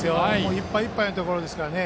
いっぱいいっぱいのところですからね。